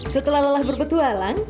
setelah lelah berpetualang